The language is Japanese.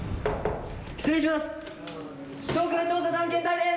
失礼します！